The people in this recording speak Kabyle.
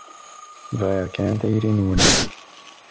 Bɣiɣ kan tayri-nwen.